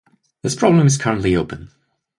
This problem is currently open.